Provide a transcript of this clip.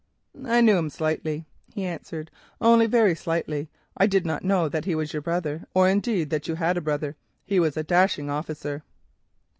"I knew him slightly," he answered. "Only very slightly. I did not know that he was your brother, or indeed that you had a brother. He was a dashing officer."